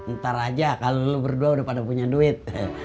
ntar aja kalo lo berdua udah pada punya duit